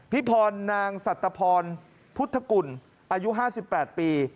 พี่พรนางสัตพรพุทธกุลอายุ๕๘ปี